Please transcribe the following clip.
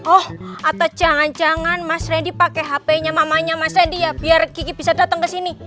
oh atau jangan jangan mas randy pakai hpnya mamanya mas randy ya biar kiki bisa datang kesini